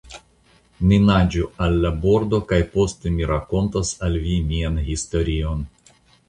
Ni naĝu al la bordo, kaj poste mi rakontos al vi mian historion.